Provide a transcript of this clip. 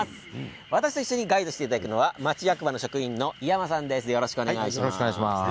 私と一緒にガイドしていただくのは町役場の職員の伊山さんです。